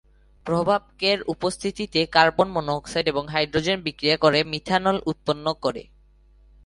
প্রভাবকের উপস্থিতিতে carbon monoxide এবং hydrogen বিক্রিয়া করে মিথানল উৎপন্ন করে।